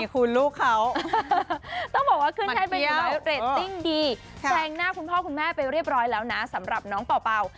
มีคุณลูกเขาต้องบอกว่าขึ้นแค่เป็นอยู่รายเตอร์เรทติ้งดีแสงหน้าคุณพ่อคุณแม่ไปเรียบร้อยแล้วนะสำหรับน้องเป๋าเป๋า